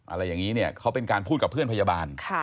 อะไรอย่างนี้เนี่ยเขาเป็นการพูดกับเพื่อนพยาบาล